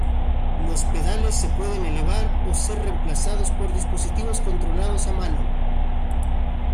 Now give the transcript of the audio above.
Los pedales se pueden elevar o ser reemplazados por dispositivos controlados a mano.